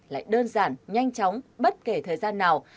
lại đơn giản nhanh chóng bất kể thời gian nào